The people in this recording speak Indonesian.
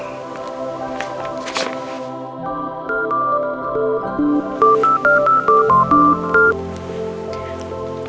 tidak ini orang yang tertulis turisen